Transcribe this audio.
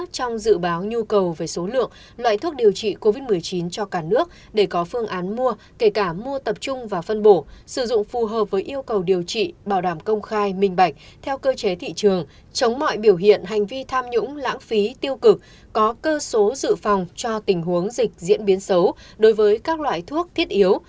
trong dự báo nhu cầu về số lượng loại thuốc điều trị covid một mươi chín cho cả nước để có phương án mua kể cả mua tập trung và phân bổ sử dụng phù hợp với yêu cầu điều trị bảo đảm công khai minh bạch theo cơ chế thị trường chống mọi biểu hiện hành vi tham nhũng lãng phí tiêu cực có cơ số dự phòng cho tình huống dịch diễn biến xấu đối với các loại thuốc thiết yếu